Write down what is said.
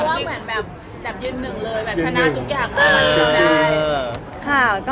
มีคนแชร์ว่าเหมือนแบบยืนหนึ่งเลยแบบพนาทุกอย่างค่ะ